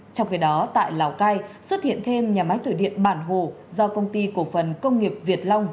trong khi đó tại lào cai xuất hiện thêm nhà máy thủy điện bản hồ do công ty cổ phần công nghiệp việt long